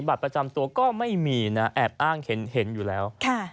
บัตรประจำตัวก็ไม่มีนะแอบอ้างเห็นอยู่แล้ว